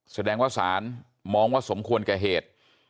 แสดงว่าศาลมองว่าสมควรแก่เหตุ